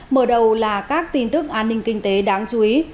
mở đầu là các tin tức an ninh kinh tế đáng chú ý